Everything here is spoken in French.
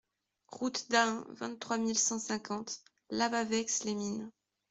Route d'Ahun, vingt-trois mille cent cinquante Lavaveix-les-Mines